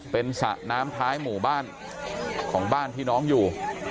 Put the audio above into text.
เป็นสระน้ำท้ายหมู่บ้านของบ้านที่น้องอยู่